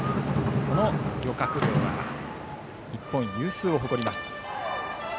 その漁獲量は日本有数を誇ります。